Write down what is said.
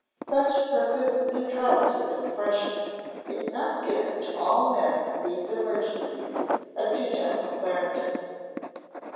Such perfect neutrality of expression is not given to all men in these emergencies as to General Clarendon.